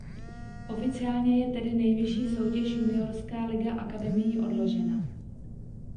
Oficiálně je tedy nejvyšší soutěž Juniorská Liga Akademií odložena.